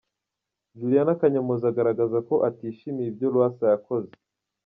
Juliana Kanyomozi agaragaza ko atishimiye ibyo Lwasa yakoze.